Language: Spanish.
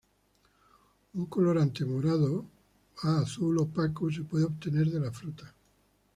Un colorante morado a azul opaco se puede obtener de la fruta.